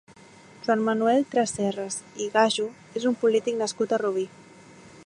Joan Manuel Tresserras i Gaju és un polític nascut a Rubí.